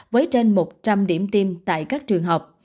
với trên một trăm linh điểm tiêm tại các trường học